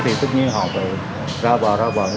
thì tất nhiên họ phải ra bờ ra bờ